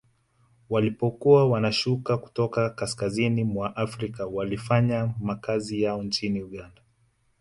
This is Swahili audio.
Walipokuwa wanashuka kutoka kaskazini mwa Afrika walifanya makazi yao nchini Uganda